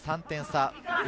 ３点差。